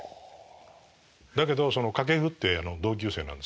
だけど掛布って同級生なんですけど。